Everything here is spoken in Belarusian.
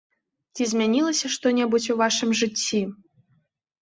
Ці змянілася што-небудзь у вашым жыцці?